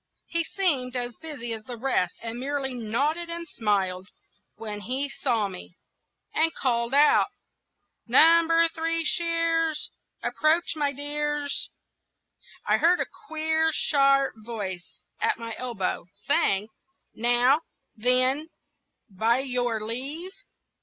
He seemed as busy as the rest, and merely nodded and smiled when he saw me, and called out,— "Number Three Shears, Approach, my dears!" I heard a queer, sharp voice at my elbow, saying, "Now, then, by your leave!"